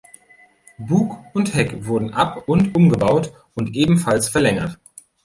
Bug und Heck wurden ab- und umgebaut und ebenfalls verlängert.